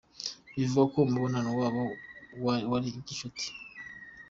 Bivugwa ko umubonano wabo wari gicuti.